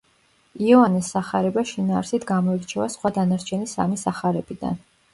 იოანეს სახარება შინაარსით გამოირჩევა სხვა დანარჩენი სამი სახარებიდან.